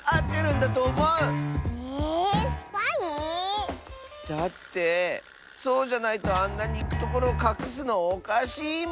ええっスパイ⁉だってそうじゃないとあんなにいくところをかくすのおかしいもん！